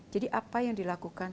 jadi apa yang dilakukan